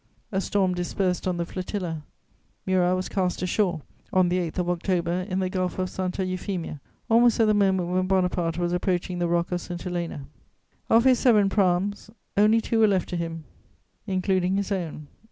A storm dispersed the flotilla; Murat was cast ashore, on the 8th of October, in the Gulf of Santa Eufemia, almost at the moment when Bonaparte was approaching the Rock of St. Helena. Of his seven praams, only two were left to him, including his own.